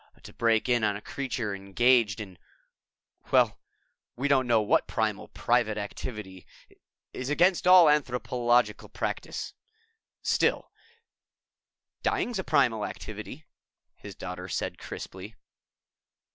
But to break in on a creature engaged in well, we don't know what primal private activity is against all anthropological practice. Still " "Dying's a primal activity," his daughter said crisply.